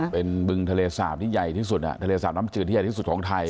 เป็นบึงทะเลสาบที่ใหญ่ที่สุดทะเลสาบน้ำจืดที่ใหญ่ที่สุดของไทย